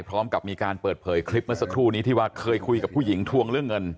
พร้อมกับมีการเปิดเผยคลิปเมื่อสักครู่นี้ที่ว่าเคยคุยกับผู้หญิงทวงเรื่องเงิน